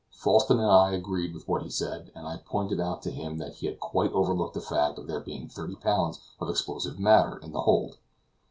Falsten and I agreed with what he said, and I pointed out to him that he had quite overlooked the fact of there being thirty pounds of explosive matter in the hold.